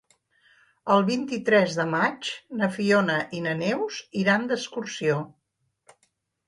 El vint-i-tres de maig na Fiona i na Neus iran d'excursió.